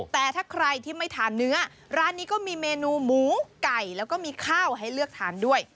แต่ถ้าใครที่ไม่ทานเนื้อร้านนี้ก็มีเมนูหมูไก่แล้วก็มีข้าวให้เลือกทานด้วย